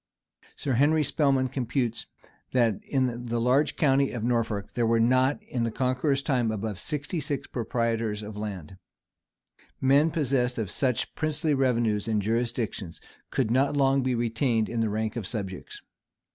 [] Sir Henry Spelman computea that, in the large county of Norfolk, there were not, in the Conqueror's time, above sixty six proprietors of land.[] Men possessed of such princely revenues and jurisdictions could not long be retained in the rank of subjects.